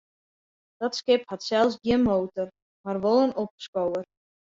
Dat skip hat sels gjin motor, mar wol in opskower.